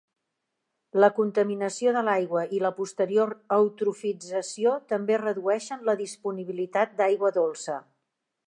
La contaminació de l'aigua i la posterior eutrofització també redueixen la disponibilitat d'aigua dolça.